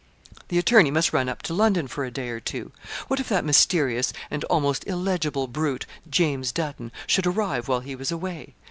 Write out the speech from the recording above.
The attorney must run up to London for a day or two. What if that mysterious, and almost illegible brute, James Dutton, should arrive while he was away.